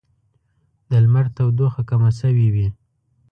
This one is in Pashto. د لمر تودوخه کمه شوې وي